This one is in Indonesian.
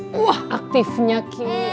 buah aktifnya ki